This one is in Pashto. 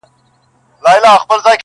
پردی سپى، په ډوډۍ خپل.